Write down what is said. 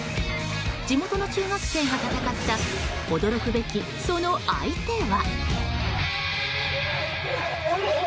地元の中学生が戦った驚くべきその相手は。